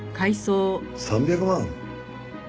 ３００万？